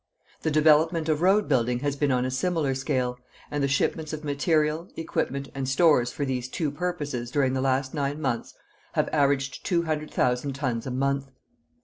The development of road building has been on a similar scale, and the shipments of material, equipment and stores for these two purposes during the last nine months have averaged 200,000 tons a month.